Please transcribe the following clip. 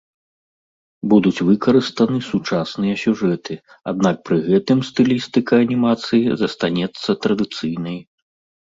Будуць выкарыстаны сучасныя сюжэты, аднак пры гэтым стылістыка анімацыі застанецца традыцыйнай.